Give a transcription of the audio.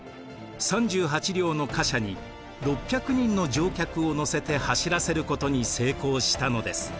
３８両の貨車に６００人の乗客を乗せて走らせることに成功したのです。